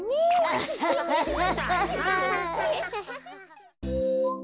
アハハハハ。